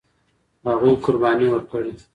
هغوی قرباني ورکړې.